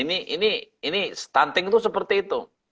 ini stunting itu seperti itu